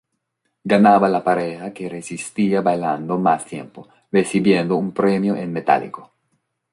Ganaba la pareja que resistía bailando más tiempo, recibiendo un premio en metálico.